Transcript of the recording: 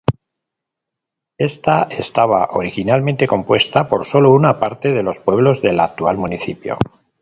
Esta estaba originalmente compuesta por sólo una parte de los pueblos del actual municipio.